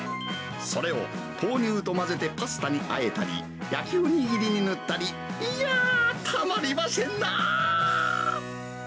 それを豆乳と混ぜてパスタにあえたり、焼きお握りに塗ったり、いやー、たまりませんなあ。